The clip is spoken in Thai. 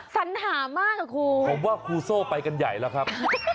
สัญหามากอ่ะครูผมว่าครูโซ่ไปกันใหญ่แล้วครับ